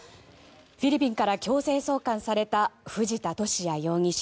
フィリピンから強制送還された藤田聖也容疑者。